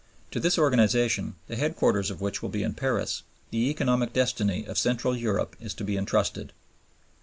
To this organization, the headquarters of which will be in Paris, the economic destiny of Central Europe is to be entrusted.